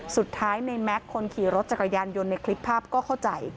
สุดท้ายในแม็กซ์คนขี่รถจักรยานยนต์ในคลิปภาพก็เข้าใจ